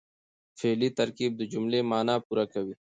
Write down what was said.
فعلي ترکیب د جملې مانا پوره کوي.